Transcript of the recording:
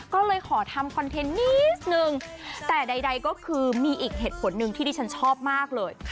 ก็เลยขอทำคอนเทนต์นิดนึงแต่ใดก็คือมีอีกเหตุผลหนึ่งที่ดิฉันชอบมากเลย